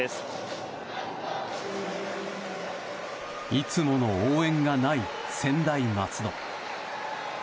いつもの応援がない専大松戸。